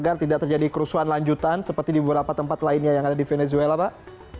agar tidak terjadi kerusuhan lanjutan seperti di beberapa tempat lainnya yang ada di venezuela pak